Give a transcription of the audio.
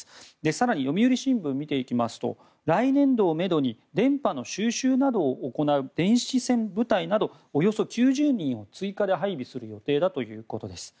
更に読売新聞を見ていきますと来年度をめどに電波の収集などを行う電子戦部隊などおよそ９０人を追加で配備する予定だということです。